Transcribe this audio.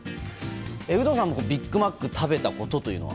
有働さんもビッグマックを食べたことというのは？